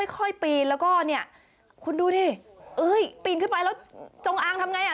ปีนแล้วก็เนี่ยคุณดูดิเอ้ยปีนขึ้นไปแล้วจงอางทำไงอ่ะ